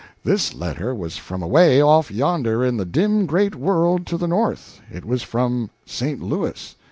this letter was from away off yonder in the dim great world to the North: it was from St. Louis.